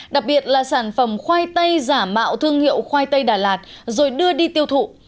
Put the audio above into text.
đặc biệt là sản phẩm khoai tây giả mạo thương hiệu khoai tây đà lạt rồi đưa đi tiêu thụ